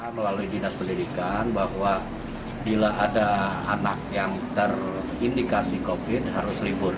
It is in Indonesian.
melalui dinas pendidikan bahwa bila ada anak yang terindikasi covid harus libur